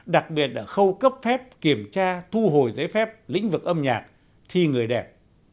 đặc biệt ở khâu cấp phép kiểm tra thu hồi giấy phép lĩnh vực âm nhạc thi người đẹp